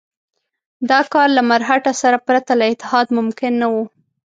دا کار له مرهټه سره پرته له اتحاد ممکن نه وو.